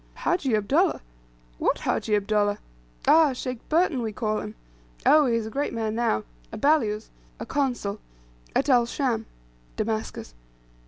"Hajji Abdullah! What Hajji Abdullah? Ah! Sheikh Burton we call him. Oh, he is a great man now; a balyuz (a consul) at El Scham" (Damascus.)